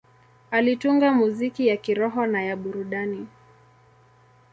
Alitunga muziki ya kiroho na ya burudani.